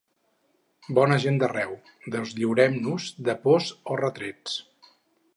Bona gent d’arreu, deslliurem-nos de pors o retrets.